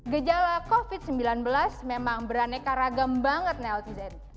gejala covid sembilan belas memang beraneka ragam banget neltyen